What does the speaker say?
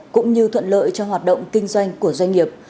cũng như thuận lợi cho hoạt động kinh doanh của doanh nghiệp